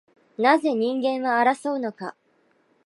なぜ人間は争うのか